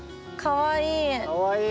かわいい。